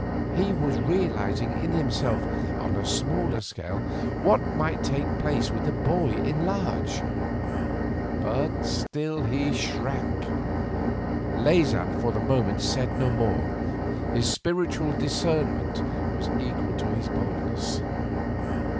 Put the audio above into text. He was realising in himself on a smaller scale what might take place with the boy in large. But still he shrank. Leysin for the moment said no more. His spiritual discernment was equal to his boldness.